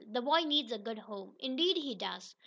The boy needs a good home." "Indeed he does.